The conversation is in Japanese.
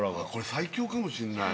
最強かもしんない。